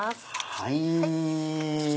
はい。